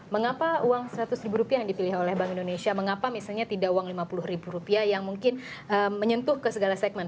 mengapa uang seratus ribu rupiah yang dipilih oleh bank indonesia mengapa misalnya tidak uang lima puluh ribu rupiah yang mungkin menyentuh ke segala segmen